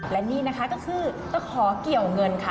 และนี่นะคะก็คือตะขอเกี่ยวเงินค่ะ